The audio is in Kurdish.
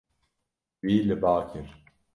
Wî li ba kir.